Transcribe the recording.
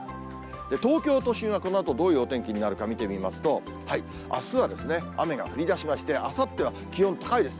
東京都心はこのあとどういうお天気になるか、見てみますと、あすは雨が降りだしまして、あさっては気温高いです。